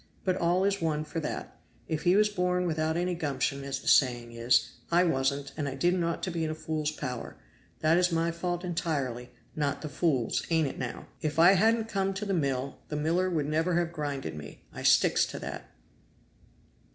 But all is one for that; if he was born without any gumption, as the saying is, I wasn't, and I didn't ought to be in a fool's power; that is my fault entirely, not the fool's; ain't it now? If I hadn't come to the mill the miller would never have grinded me! I sticks to that!"